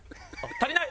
足りない？